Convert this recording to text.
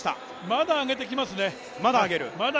まだ上げてきますね。